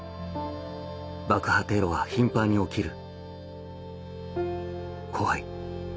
「爆破テロは頻ぱんに起きる」「怖い」